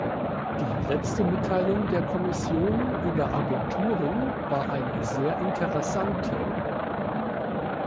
Die letzte Mitteilung der Kommission über Agenturen war eine sehr interessante.